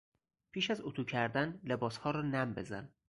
پیش از اطو کردن لباسها را نم بزن.